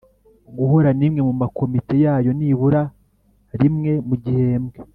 Guhura n’imwe mu makomite yayo nibura rimwe mu gihembwe